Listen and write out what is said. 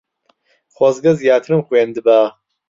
خۆزگە زیاترم خوێندبا.